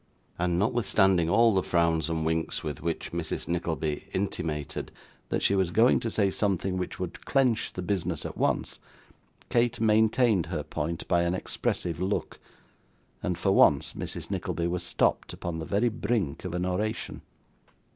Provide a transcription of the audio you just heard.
And notwithstanding all the frowns and winks with which Mrs. Nickleby intimated that she was going to say something which would clench the business at once, Kate maintained her point by an expressive look, and for once Mrs. Nickleby was stopped upon the very brink of an oration.